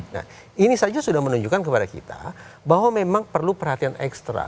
nah ini saja sudah menunjukkan kepada kita bahwa memang perlu perhatian ekstra